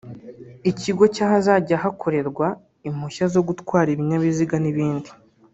Ikigo cy’ahazajya hakorerwa impushya zo gutwara ibinyabiziga n’ibindi